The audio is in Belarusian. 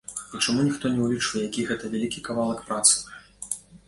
І чаму ніхто не ўлічвае, які гэта вялікі кавалак працы?